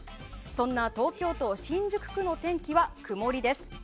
そんな東京都新宿区の天気は曇りです。